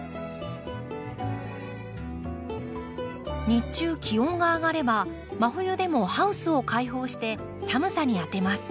日中気温が上がれば真冬でもハウスを開放して寒さに当てます。